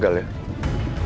baik pak baik